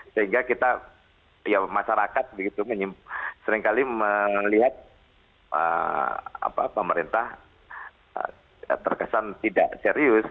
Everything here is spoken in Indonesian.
sehingga kita ya masyarakat begitu seringkali melihat pemerintah terkesan tidak serius